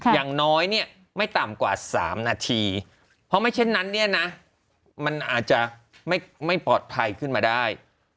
อย่างน้อยเนี่ยไม่ต่ำกว่า๓นาทีเพราะไม่เช่นนั้นเนี่ยนะมันอาจจะไม่ปลอดภัยขึ้นมาได้